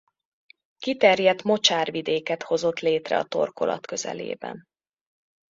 Kiterjedt mocsárvidéket hozott létre a torkolat közelében.